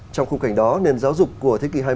trong khung cảnh đó nền giáo dục của thế kỷ hai mươi